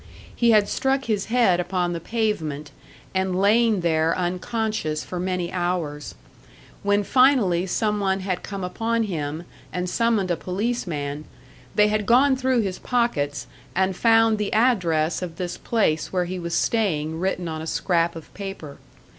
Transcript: He had struck his head upon the pavement, and lain there unconscious for many hours. When finally some one had come upon him, and summoned a policeman, they had gone through his pockets, and found the address of this place where he was staying written on a scrap of paper.